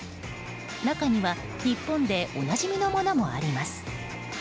中には日本でおなじみのものもあります。